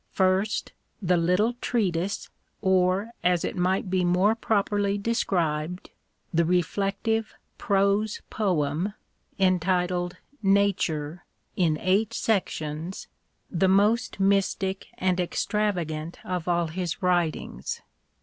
First, the little treatise, or, as it might be more properly described, the reflective prose poem, entitled " Nature," in eight sections, the most mystic and extravagant of all his writings.